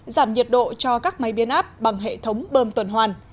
giảm nhiệt độ cho các máy biến áp bằng hệ thống bơm tuần hoàn